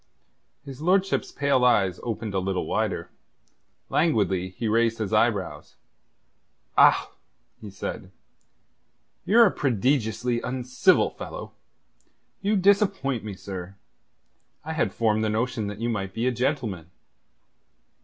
His lordship's pale eyes opened a little wider. Languidly he raised his eyebrows. "Ah!" he said. "You're a prodigiously uncivil fellow. You disappoint me, sir. I had formed the notion that you might be a gentleman."